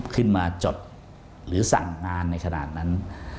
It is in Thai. ขึ้นมาจดหรือสั่งงานในขณะนั้น